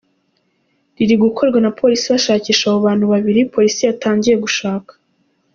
ririgukorwa na polisi bashakisha aba bantu babiri, polisi yatangiye gushaka.